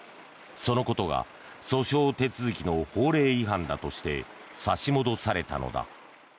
そのことが訴訟手続きの法令違反だとして差し戻されたのだ。